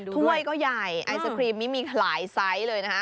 ถ้วยก็ใหญ่ไอศครีมนี้มีหลายไซส์เลยนะฮะ